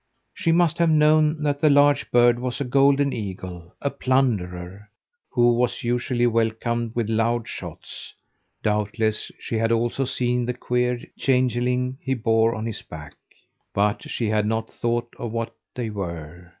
She must have known that the large bird was a golden eagle a plunderer, who was usually welcomed with loud shots; doubtless she had also seen the queer changeling he bore on his back. But she had not thought of what they were.